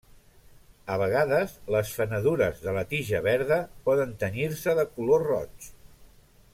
A vegades les fenedures de la tija verda poden tenyir-se de color roig.